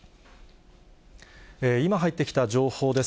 今入ってきた情報です。